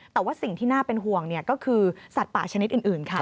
แต่ว่าสิ่งที่น่าเป็นห่วงก็คือสัตว์ป่าชนิดอื่นค่ะ